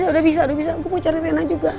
udah bisa udah bisa gue mau cari rena juga